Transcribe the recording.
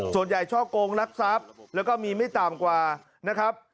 ช่อกงรักทรัพย์แล้วก็มีไม่ต่ำกว่านะครับ